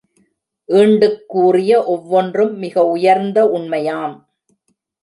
ஈண்டுக் கூறிய ஒவ்வொன்றும் மிக உயர்ந்த உண்மையாம்.